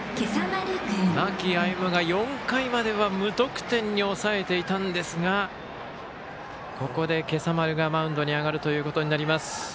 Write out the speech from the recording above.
間木歩が４回までは無得点に抑えていたんですがここで今朝丸がマウンドに上がるということになります。